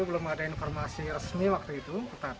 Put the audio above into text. terus ya sama biasa aja ya